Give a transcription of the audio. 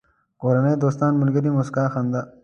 کورنۍ، دوستان، ملگري، موسکا، خندا